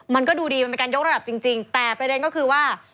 มันก็ดูดีมันเป็นการยกระดับจริงแต่ประเด็นก็คือว่า